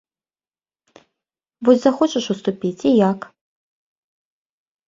Вось захочаш уступіць і як?